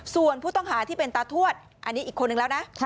ส่วนผู้ต้องหาที่เป็นตาทวดอันนี้อีกคนนึงแล้วนะ